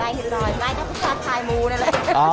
ได้สิบหน่อยแม่ค้าพูชาขายหมูนั่นแหละ